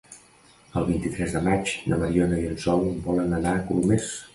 El vint-i-tres de maig na Mariona i en Sol volen anar a Colomers.